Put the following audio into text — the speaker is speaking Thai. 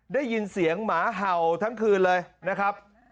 ได้ยินเสียงหมาเห่าทั้งคืนเลยนะครับ